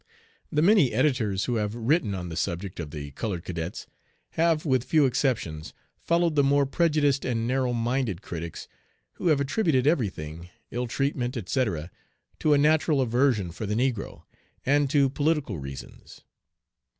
The many editors who have written on the subject of the colored cadets have, with few exceptions, followed the more prejudiced and narrow minded critics who have attributed every thing, ill treatment, etc., to a natural aversion for the negro, and to political reasons.